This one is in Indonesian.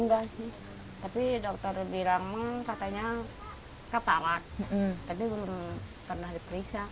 enggak sih tapi dokter bilang katanya kepala tapi belum pernah diperiksa